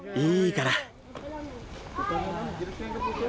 いいから。